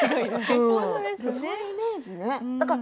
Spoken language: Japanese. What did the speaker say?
そういうイメージね。